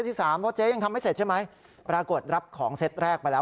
เพราะเจ๊ยังทำไม่เสร็จใช่ไหมปรากฏรับของเซตแรกไปแล้ว